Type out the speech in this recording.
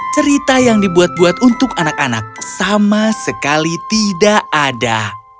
cerita yang dibuat buat untuk anak anak sama sekali tidak ada